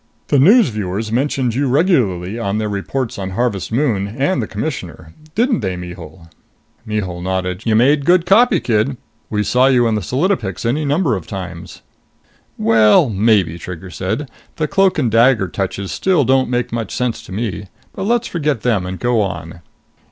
The news viewers mentioned you regularly in their reports on Harvest Moon and the Commissioner. Didn't they, Mihul?" Mihul nodded. "You made good copy, kid! We saw you in the solidopics any number of times." "Well, maybe," Trigger said. "The cloak and dagger touches still don't make much sense to me. But let's forget them and go on.